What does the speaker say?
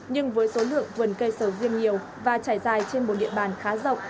nhưng với số lượng vườn cây sầu riêng nhiều và trải dài trên một địa bàn khá rộng